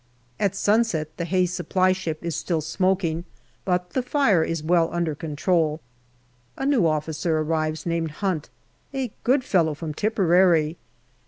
At sunset the hay supply ship is still smoking, but the fire is well under control. A new officer arrives, named Hunt, a good fellow from Tipperary.